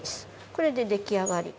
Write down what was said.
これで出来上がり。